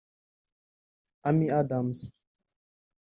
Amy Adams